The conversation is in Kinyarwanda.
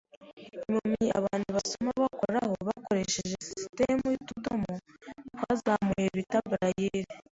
Impumyi abantu basoma bakoraho, bakoresheje sisitemu yutudomo twazamuye bita Braille.